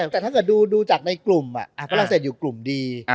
แต่ถ้าเกิดดูจากในกลุ่มฝรั่งเศสอยู่กลุ่มดี